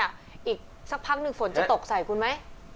อีกสักพักหนึ่งฝนจะตกใส่คุณไหม